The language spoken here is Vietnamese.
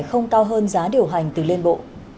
không cao hơn giá điều hành từ liên bộ